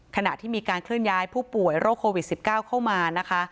ขณะที่มีการเคลื่อนย้ายผู้ป่วยโรคโควิด๑๙เข้ามานะคะ